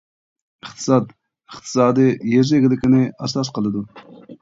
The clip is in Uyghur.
ئىقتىساد ئىقتىسادى يېزا ئىگىلىكىنى ئاساس قىلىدۇ.